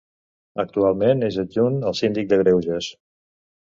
Actualment és adjunt al Síndic de Greuges.